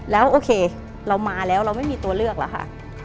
แล้วโอเคเรามาแล้วเราไม่มีตัวเลือกหรอกค่ะ